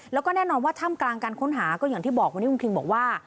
แล้วก็แน่นอนว่าถ้ำกลางการค้นหาก็อย่างที่บอกวันนี้คุณคิงบอกว่า